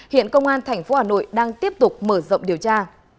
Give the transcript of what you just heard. hiện công an tp hà nội đang tiếp tục mở rộng điều tra